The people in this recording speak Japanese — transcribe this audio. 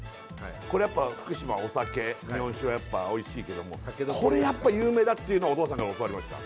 これやっぱ福島お酒日本酒はやっぱおいしいけどもこれやっぱ有名だっていうのをお父さんから教わりました